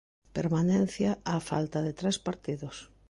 Permanencia á falta de tres partidos.